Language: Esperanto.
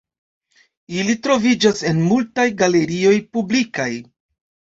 Ili troviĝas en multaj galerioj publikaj.